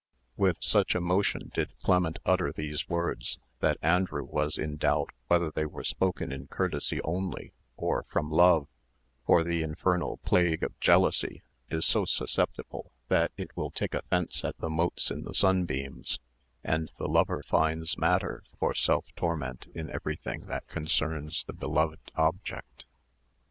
With such emotion did Clement utter these words, that Andrew was in doubt whether they were spoken in courtesy only, or from love; for the infernal plague of jealousy is so susceptible that it will take offence at the motes in the sunbeams; and the lover finds matter for self torment in everything that concerns the beloved object.